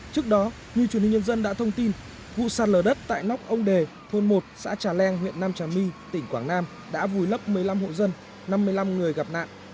trước đó như truyền hình nhân dân đã thông tin vụ sạt lở đất tại nóc ông đề thôn một xã trà leng huyện nam trà my tỉnh quảng nam đã vùi lấp một mươi năm hộ dân năm mươi năm người gặp nạn